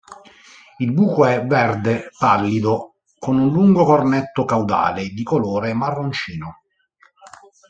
Il bruco è verde pallido, con un lungo "cornetto" caudale di colore marroncino.